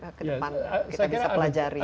apa yang ke depan kita bisa pelajari